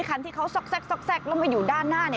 คันที่เขาซอกแซ็กแล้วมาอยู่ด้านหน้า